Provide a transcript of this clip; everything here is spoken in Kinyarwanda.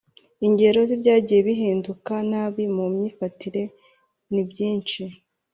Ingero z'ibyagiye bihinduka nabi mu myifatire ni byinshi: